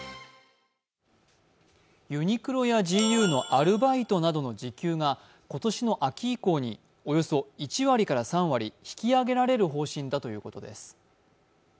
ユニクロやＧＵのアルバイトの時給が今年の秋以降におよそ１割から３割引き上げられる方針だということです。